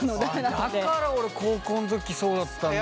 だから俺高校の時そうだったんだ。